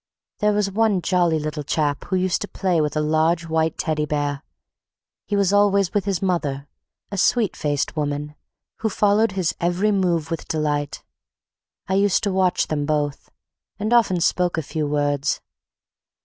There was one jolly little chap who used to play with a large white Teddy Bear. He was always with his mother, a sweet faced woman, who followed his every movement with delight. I used to watch them both, and often spoke a few words.